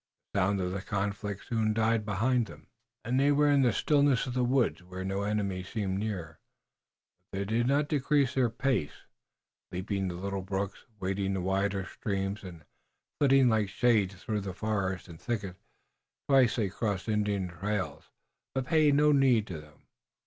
The sounds of the conflict soon died behind them, and they were in the stillness of the woods, where no enemy seemed near. But they did not decrease their pace, leaping the little brooks, wading the wider streams, and flitting like shades through forest and thicket. Twice they crossed Indian trails, but paid no heed to them.